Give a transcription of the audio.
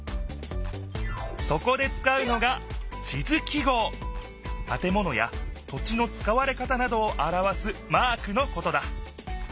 そこでつかうのがたてものや土地のつかわれ方などをあらわすマークのことだ